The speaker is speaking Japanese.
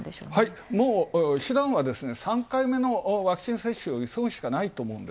もう、３回目のワクチン接種を急ぐしかないと思う。